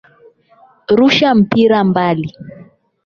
Rusha mpira mbali.